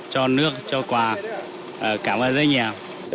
cho nước cho quà cảm ơn dân nhà